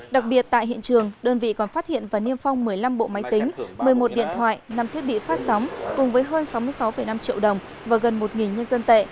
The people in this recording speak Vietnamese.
đặc biệt tại hiện trường đơn vị còn phát hiện và niêm phong một mươi năm bộ máy tính một mươi một điện thoại năm thiết bị phát sóng cùng với hơn sáu mươi sáu năm triệu đồng và gần một nhân dân tệ